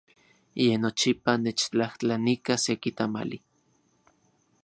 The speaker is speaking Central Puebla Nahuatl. Ye nochipa nechtlajtlanilka seki tamali.